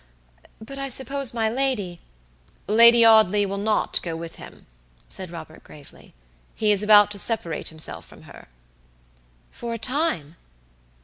But I suppose my lady" "Lady Audley will not go with him," said Robert, gravely; "he is about to separate himself from her." "For a time?"